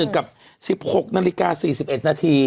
กับ๑๖นาฬิกา๔๑นาที